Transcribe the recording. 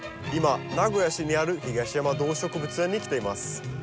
今名古屋市にある東山動植物園に来ています。